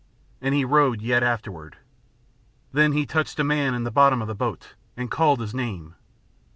And he rowed yet afterward. Then he touched a man in the bottom of the boat, and called his name.